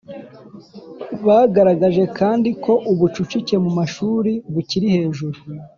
Bagaragaje kandi ko ubucucike mu mashuri bukiri hejuru